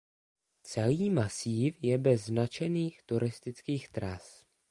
Celý masív je bez značených turistických tras.